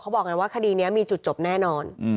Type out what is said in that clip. เค้าบอกอย่างนี้ว่าคดีนี้มีจุดจบแน่นอน